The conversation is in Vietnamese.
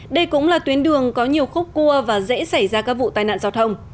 đây cũng là tuyến đường có nhiều khúc cua và dễ xảy ra các vụ tai nạn giao thông